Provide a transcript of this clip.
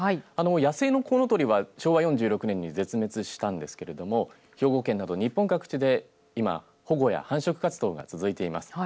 野生のこうのとりは昭和４６年に絶滅したんですけれども兵庫県など日本各地で今保護や繁殖活動が続いています。